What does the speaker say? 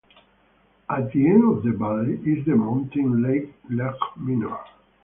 At the end of the valley is the mountain lake Lej Minor.